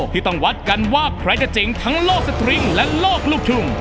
ที่ต้องวัดกันว่าใครจะเจ๋งทั้งโลกสตริงและโลกลูกทุ่ง